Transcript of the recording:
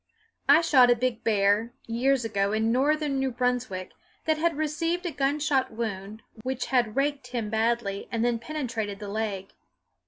I shot a big bear, years ago, in northern New Brunswick, that had received a gunshot wound, which had raked him badly and then penetrated the leg.